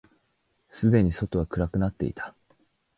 すでに外は暗くなっていた。